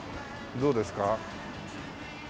どうですか？